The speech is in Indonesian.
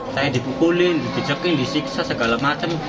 saya dibukulin dicekin disiksa segala macem